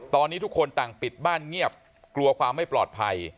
ตอนนี้ทุกคนต่างปิดบ้านเงียบกลัวความไม่ปลอดภัย